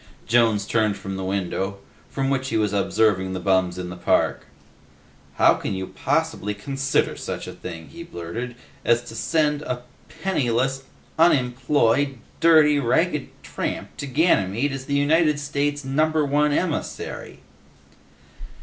Jones turned from the window, from which he was observing the bums in the park. "How can you possibly consider such a thing," he blurted, "as to send a penniless, unemployed, dirty, ragged tramp to Ganymede as the United States' Number One emissary?"